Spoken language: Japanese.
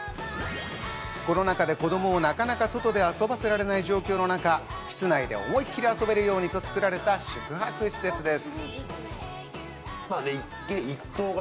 コロナ禍で子どもをなかなか外で遊ばせられない状況の中、室内で思いっきり遊べるようにと作られた宿泊施設です。